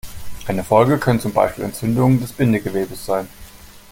Eine Folge können zum Beispiel Entzündungen des Bindegewebes sein.